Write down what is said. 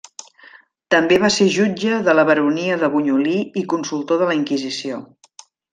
També va ser jutge de la baronia de Bunyolí i consultor de la Inquisició.